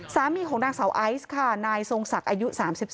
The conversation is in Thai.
สามีของนางสาวไอซ์ค่ะนายทรงศักดิ์อายุ๓๒